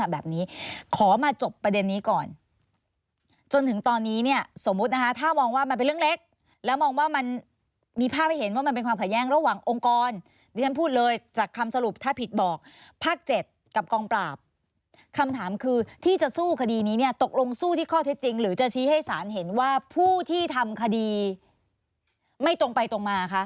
แบบนี้ขอมาจบประเด็นนี้ก่อนจนถึงตอนนี้เนี่ยสมมุตินะคะถ้ามองว่ามันเป็นเรื่องเล็กแล้วมองว่ามันมีภาพให้เห็นว่ามันเป็นความขัดแย้งระหว่างองค์กรดิฉันพูดเลยจากคำสรุปถ้าผิดบอกภาค๗กับกองปราบคำถามคือที่จะสู้คดีนี้เนี่ยตกลงสู้ที่ข้อเท็จจริงหรือจะชี้ให้สารเห็นว่าผู้ที่ทำคดีไม่ตรงไปตรงมาคะ